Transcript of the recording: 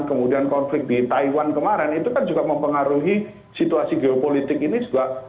kemudian konflik di taiwan kemarin itu kan juga mempengaruhi situasi geopolitik ini juga